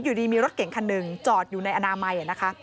อยู่ดีมีรถเก่งคันหนึ่งจอดอยู่ในอนามัยนะคะ